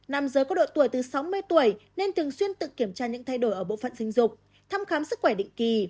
nam giới có độ tuổi từ sáu mươi tuổi nên thường xuyên tự kiểm tra những thay đổi ở bộ phận sinh dục thăm khám sức khỏe định kỳ